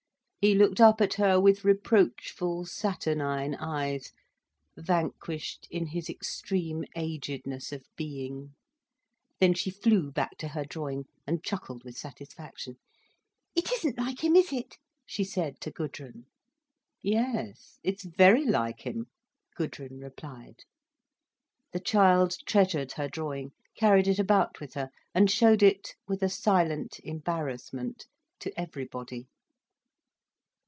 He looked up at her with reproachful, saturnine eyes, vanquished in his extreme agedness of being. Then she flew back to her drawing, and chuckled with satisfaction. "It isn't like him, is it?" she said to Gudrun. "Yes, it's very like him," Gudrun replied. The child treasured her drawing, carried it about with her, and showed it, with a silent embarrassment, to everybody.